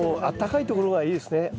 あったかいところがいいですね。